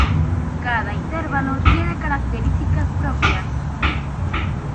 Cada intervalo tiene características propias.